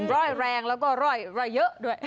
ร่อยแรงแล้วก็ร่อยเยอะด้วย